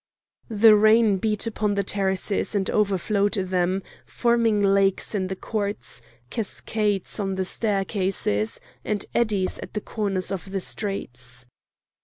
The rain beat upon the terraces and overflowed them, forming lakes in the courts, cascades on the staircases, and eddies at the corners of the streets.